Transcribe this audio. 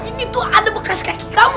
ini tuh ada bekas kaki kamu